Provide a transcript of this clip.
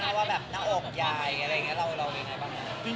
อะไรอย่างเงี้ยเราอย่างไรบ้างเนี่ย